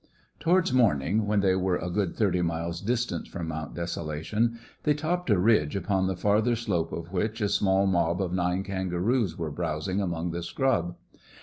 Towards morning, when they were a good thirty miles distant from Mount Desolation, they topped a ridge, upon the farther slope of which a small mob of nine kangaroos were browsing among the scrub.